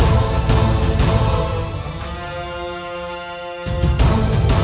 aku akan bicara padanya